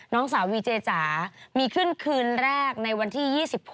น้องสาววีเจจ๋ามีขึ้นคืนแรกในวันที่๒๖